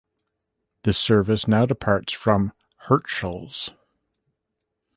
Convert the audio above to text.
This service now departs from Hirtshals.